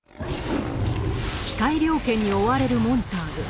機械猟犬に追われるモンターグ。